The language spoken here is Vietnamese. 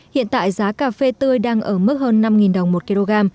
hiện tại giá cà phê tươi đang ở mức hơn năm đồng một kg